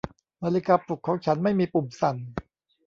นาฬิกาปลุกของฉันไม่มีปุ่มสั่น